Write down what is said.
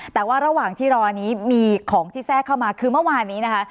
แต่ว่าระหว่างที่รอนี้มีของที่แทรกเข้ามาคือเมื่อวานนี้นะคะ